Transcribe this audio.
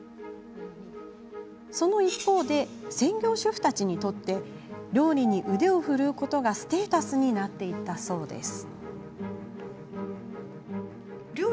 その一方で専業主婦たちにとって料理に腕を振るうことがステータスになっていったそうなんです。